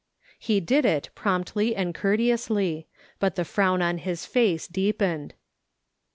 lie did it, promptly and courteously ■ but the frown on his face deepened.